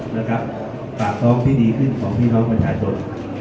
นะครับปากท้องที่ดีขึ้นของพี่น้องประชาชน